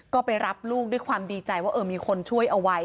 ก็ไปรับลูกด้วยความดีใจว่าเอาไว้มีคนช่วย